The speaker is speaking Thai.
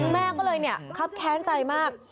แม่ก็เลยเนี่ยครับแค้นใจมาก